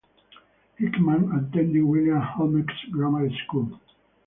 Hickman attended William Hulme's Grammar School.